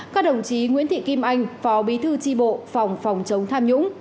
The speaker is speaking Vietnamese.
các đồng chí nguyễn thị kim anh phó bí thư tri bộ phòng phòng chống tham nhũng